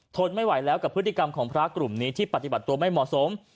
ทนไม่ไหวแล้วกับพฤติกรรมของพระกลุ่มนี้ที่ปฏิบัติตัวไม่เหมาะสม